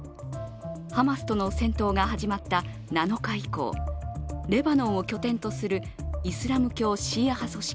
ハマスとの戦闘が始まった７日以降レバノンを拠点とするイスラム教シーア派組織